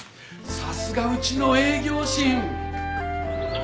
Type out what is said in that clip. さすがうちの営業神！